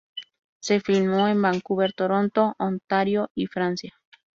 Se filmó en Vancouver, Toronto, Ontario y Francia.